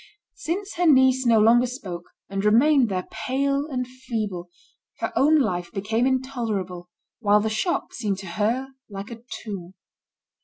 Since her niece no longer spoke, and remained there pale and feeble, her own life became intolerable, while the shop seemed to her like a tomb.